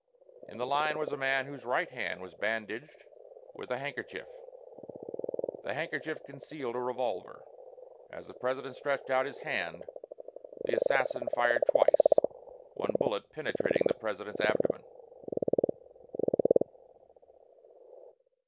In the line was a man whose right hand was bandaged with a handkerchief. The handkerchief concealed a revolver. As the President stretched out his hand, the assassin fired twice, one bullet penetrating the President's abdomen.